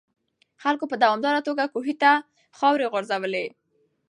خلکو په دوامداره توګه کوهي ته خاورې غورځولې.